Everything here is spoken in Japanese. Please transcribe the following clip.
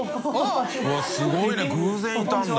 叩うわすごいね偶然いたんだ。